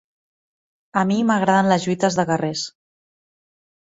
A mi m'agraden les lluites de guerrers.